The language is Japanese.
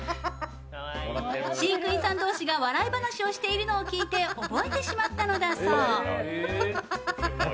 飼育員さん同士が笑い話をしているのを聞いて覚えてしまったんだそう。